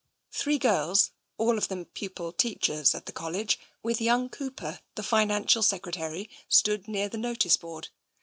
Three girls, all of them pupil teachers of the College, with young Cooper, the Financial Secretary, stood near the notice board.